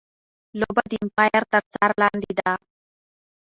لوبه د ایمپایر تر څار لاندي ده.